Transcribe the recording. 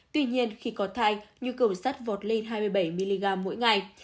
tuy nhiên khi có thai nhu cầu sắt vọt lên hai mươi bảy mg mỗi ngày